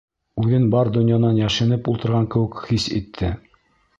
Үҙен бар донъянан йәшенеп ултырған кеүек хис итте.